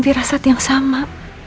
virasat yang sama